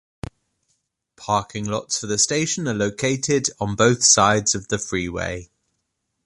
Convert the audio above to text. Parking lots for the station are located on both sides of the freeway.